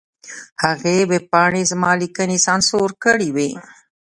هغې ویبپاڼې زما لیکنې سانسور کړې وې.